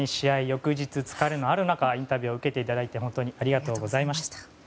翌日疲れのある中インタビューを受けていただきありがとうございました。